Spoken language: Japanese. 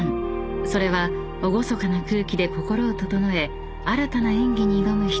［それは厳かな空気で心を整え新たな演技に挑むひととき］